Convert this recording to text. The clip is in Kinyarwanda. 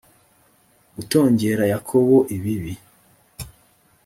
gutongera yakobo ibibi